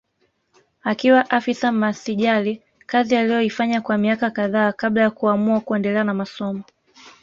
Akiwa afisa masijali kazi aliyoifanya kwa miaka kadhaa kabla ya kuamua kuendelea na masomo